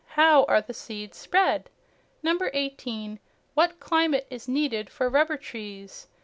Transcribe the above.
How are the seeds spread? 18. What climate is needed for rubber trees?